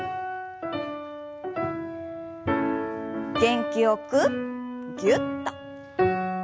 元気よくぎゅっと。